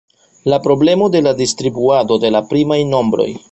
La problemo de la distribuado de la primaj nombroj.